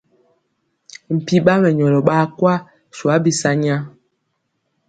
Mpi ɓa mɛnyɔlɔ ɓaa kwa swa bi sanya.